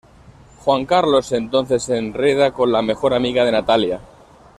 Juan Carlos entonces se enreda con la mejor amiga de Natalia.